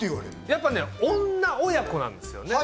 やっぱね女親子なんですよね